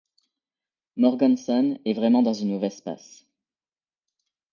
Morganson est vraiment dans une mauvaise passe...